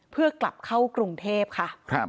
เพื่อกลับเข้ากรุงเทพค่ะ